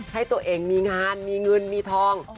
ให้ตัวเองมีงานมีเงินมีทอง